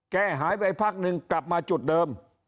แก้หายไปพักนึงกลับมาจุดเดิม